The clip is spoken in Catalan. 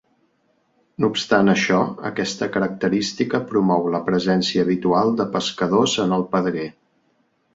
No obstant això aquesta característica promou la presència habitual de pescadors en el pedrer.